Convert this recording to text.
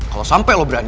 kalau sampe lo berani